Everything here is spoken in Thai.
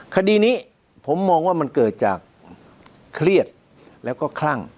คดีนี้ผมมองว่ามันเกิดจากเครียดแล้วก็คลั่ง